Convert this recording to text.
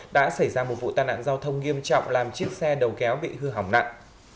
đã xảy ra một vụ tai nạn giao thông nghiêm trọng làm chiếc xe đầu kéo bị hư hỏng nặng